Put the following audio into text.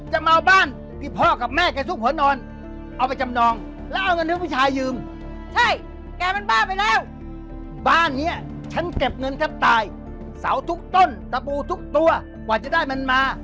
เหลืออย่างไงซักแค่วัน